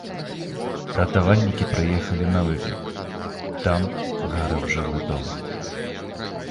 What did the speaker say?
Ратавальнікі прыехалі на выклік, там гарэў жылы дом.